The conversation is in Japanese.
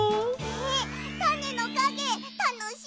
えったねのかげたのしみ！